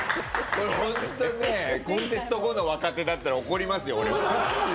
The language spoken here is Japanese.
これ本当にねコンテスト後の若手だったら怒りますよ俺も。